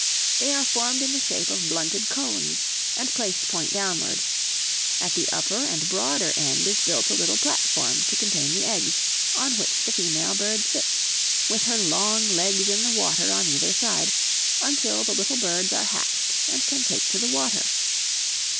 They are formed in the shape of blunted cones, and placed point downward; at the upper and broader end is built a little platform to contain the eggs, on which the female bird sits, with her long legs in the water on either side, until the little birds are hatched and can take to the water.